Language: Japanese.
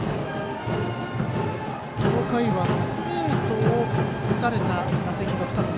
この回はストレートを打たれた打席が２つ。